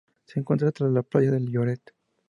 Se encuentra tras la playa de Lloret.